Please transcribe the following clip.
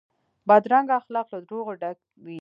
بدرنګه اخلاق له دروغو ډک وي